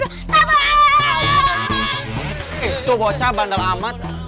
eh tuh bocah bandel amat